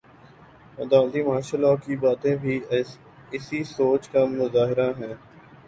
عدالتی martial law کی باتیں بھی اسی سوچ کا مظہر ہیں۔